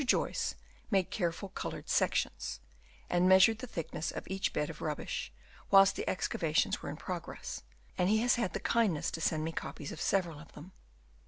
Joyce made careful coloured sections, and measured the thickness of each bed of rubbish, whilst the excavations were in progress ; and he has had the kindness to send me copies of several of them.